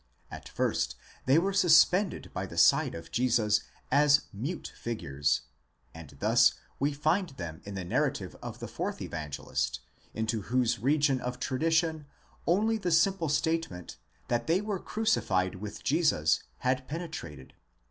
At first they were suspended by the side of Jesus as mute figures, and thus we find them in the narrative of the fourth Evangelist, into whose region of tradition only the simple statement, that they were crucified with Jesus, had penetrated.